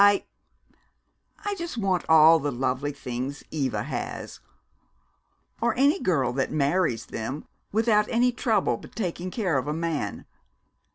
I I just want all the lovely things Eva has, or any girl that marries them, without any trouble but taking care of a man.